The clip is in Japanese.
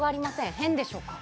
変でしょうか？